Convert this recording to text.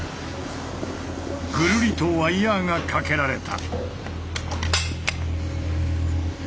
ぐるりとワイヤーが掛けられた。